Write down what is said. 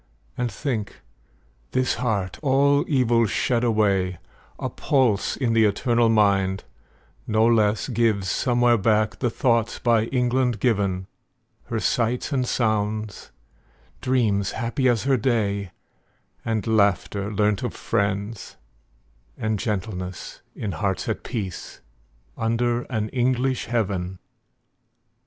And think, this heart, all evil shed away, A pulse in the eternal mind, no less Gives somewhere back the thoughts by England given; Her sights and sounds; dreams happy as her day; And laughter, learnt of friends; and gentleness, In hearts at peace, under an English heaven.